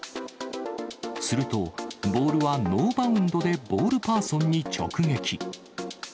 すると、ボールはノーバウンドでボールパーソンに直撃。